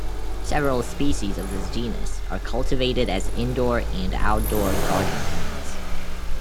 Several species of this genus are cultivated as indoor and outdoor garden plants.